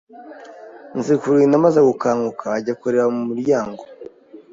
Nzikurinda amaze gukanguka ajya kureba mu muryango,